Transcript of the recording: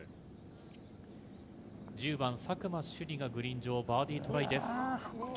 １０番、佐久間朱莉がバーディートライです。